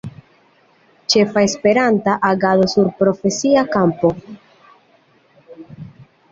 Ĉefa Esperanta agado sur profesia kampo.